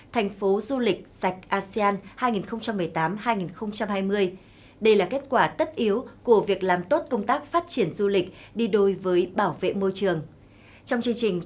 tại diễn đàn du lịch asean hai nghìn một mươi tám